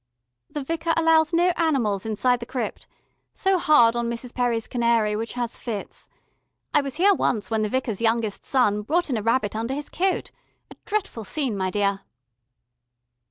"The Vicar allows no animals inside the crypt. So hard on Mrs. Perry's canary which has fits. I was here once when the Vicar's youngest son brought in a rabbit under his coat. A dretful scene, my dear."